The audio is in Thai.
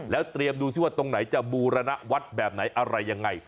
แล้วเตรียมดูสิว่าตรงไหนจะบูรณวัดแบบไหนอะไรยังไง